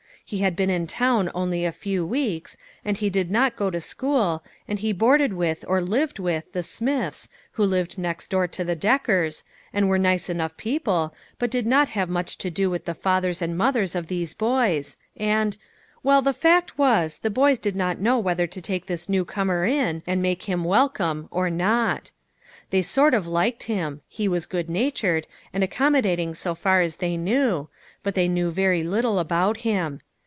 He had been in town only a few weeks, and he did not go to school, and he boarded with or lived with, the Smiths, who lived next door to the Deckers, and were nice enough people, but did not have much to do with the fathers and mothers of these boys, and well, the fact was, the boys did not know whether to take this new comer in, and make him welcome, or not. They sort of liked him ; he was good natured, and ac commodating so far as they knew, but they knew very little about him.